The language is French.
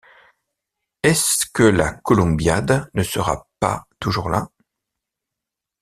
Est-ce que la Columbiad ne sera pas toujours là?